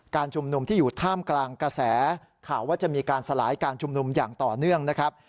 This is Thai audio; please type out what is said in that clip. ชุมนุมที่อยู่ท่ามกลางกระแสข่าวว่าจะมีการสลายการชุมนุมอย่างต่อเนื่องนะครับ